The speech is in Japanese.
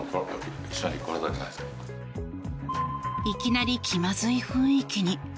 いきなり気まずい雰囲気に。